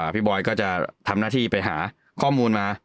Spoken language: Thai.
บอยก็จะทำหน้าที่ไปหาข้อมูลมา